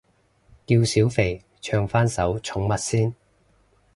叫小肥唱返首寵物先